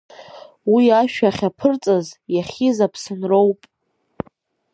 Уи ашәа ахьаԥырҵаз, иахьиз Аԥсынроуп!